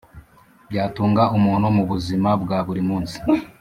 byatunga umuntu mu buzima bwa buri munsi